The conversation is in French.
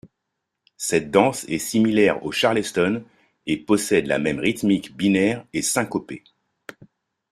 Cette danse est similaire au charleston et possède la même rythmique binaire et syncopée.